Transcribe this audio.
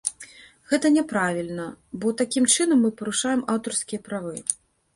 Гэта няправільна, бо такім чынам мы парушаем аўтарскія правы.